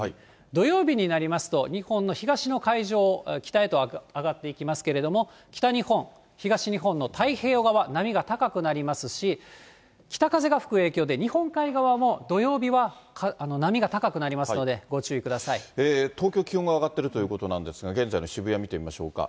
土曜日になりますと、日本の東の海上を北へと上がっていきますけれども、北日本、東日本の太平洋側、波が高くなりますし、北風が吹く影響で、日本海側も土曜日は波が高くなりますので、東京、気温が上がっているということなんですが、現在の渋谷、見てみましょうか。